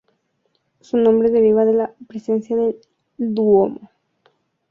Su nombre deriva de la presencia del "Duomo" o Catedral de Nápoles.